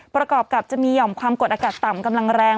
ประกอบกับจะมีห่อมความกดอากาศต่ำกำลังแรง